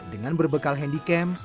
dengan berbekal handycam